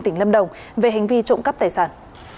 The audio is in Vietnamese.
tỉnh lâm đồng về hành vi trộm cắp tài sản